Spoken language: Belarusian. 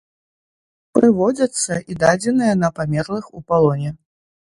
Прыводзяцца і дадзеныя на памерлых у палоне.